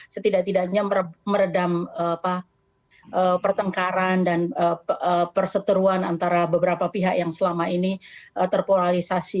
setidak tidaknya meredam pertengkaran dan perseteruan antara beberapa pihak yang selama ini terpolarisasi